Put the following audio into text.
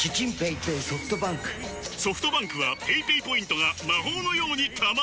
ソフトバンクはペイペイポイントが魔法のように貯まる！